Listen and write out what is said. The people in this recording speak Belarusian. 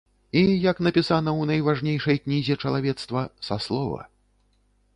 І, як напісана ў найважнейшай кнізе чалавецтва, са слова.